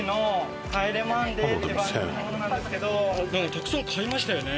たくさん買いましたよね。